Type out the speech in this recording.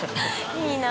いいな。